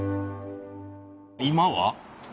今は？